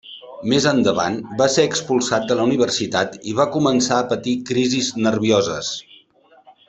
Més endavant va ser expulsat de la universitat i va començar a patir crisis nervioses.